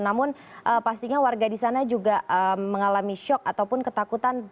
namun pastinya warga di sana juga mengalami shock ataupun ketakutan